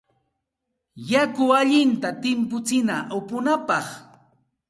Yakuta allinta timputsina upunapaq.